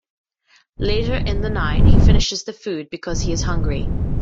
Later in the night he finishes the food because he is hungry.